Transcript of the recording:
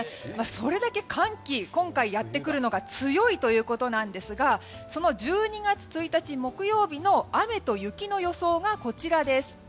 それだけ寒気、今回やってくるのが強いということですがその１２月１日木曜日の雨と雪の予想がこちらです。